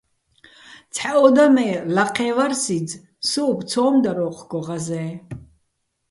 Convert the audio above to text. ცჰ̦ა ო და მე́, ლაჴეჼ ვარ სიძ, სოუბო̆ ცო́მ დარ ო́ჴგო ღაზეჼ.